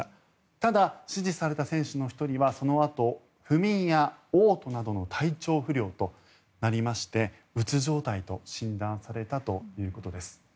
ただ、指示された選手の１人はそのあと不眠やおう吐などの体調不良となりましてうつ状態と診断されたということです。